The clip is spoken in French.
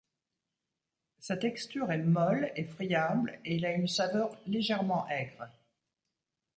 Sa texture est molle et friable et il a une saveur légèrement aigre.